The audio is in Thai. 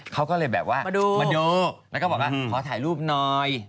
เขาก็เลยแบบว่ามาดูแล้วก็บอกว่าขอถ่ายรูปหน่อย